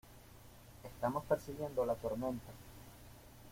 estamos persiguiendo la tormenta.